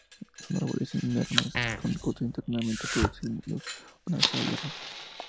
Son árboles inermes, con corteza internamente produciendo una savia roja.